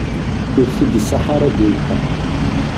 Ur t-id-iṣaḥ ara ad d-inṭeq.